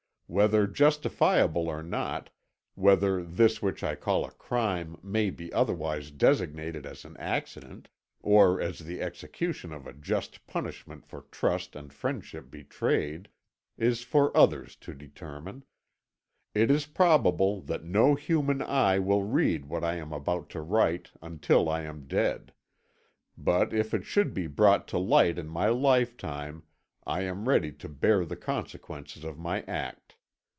Whether justifiable or not whether this which I call a crime may be otherwise designated as an accident or as the execution of a just punishment for trust and friendship betrayed is for others to determine. "It is probable that no human eye will read what I am about to write until I am dead; but if it should be brought to light in my lifetime I am ready to bear the consequences of my act.